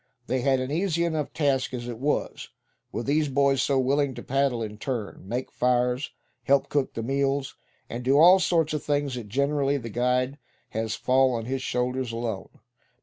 They had an easy enough task as it was, with these boys so willing to paddle in turn, make fires, help cook the meals, and do all sorts of things that generally the guide has fall on his shoulders alone.